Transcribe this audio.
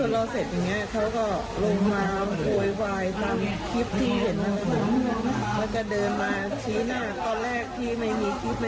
แล้วถ้ามามากจะเป็นแก้เศษนะ